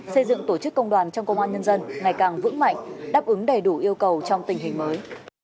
xây dựng tổ chức công đoàn trong công an nhân dân ngày càng vững mạnh đáp ứng đầy đủ yêu cầu trong tình hình mới